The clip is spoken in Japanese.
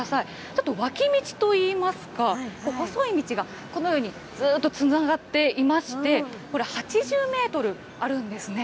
ちょっと脇道といいますか、細い道がこのようにずっとつながっていまして、これ、８０メートルあるんですね。